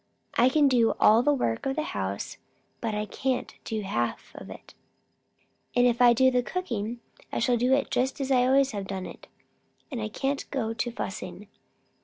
I can do all the work of the house, but I can't do half of it. And if I do the cooking, I shall do it just as I have always done it. I can't go to fussing.